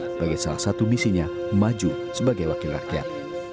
sebagai salah satu misinya maju sebagai wakil rakyat